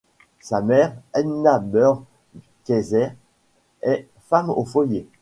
Sa mère, Edna Burr Kaiser, est femme au foyer.